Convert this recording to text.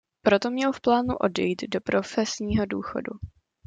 Proto měl v plánu odejít do profesního důchodu.